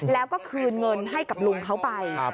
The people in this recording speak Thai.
แล้วก็คืนเงินให้กับลุงเขาไป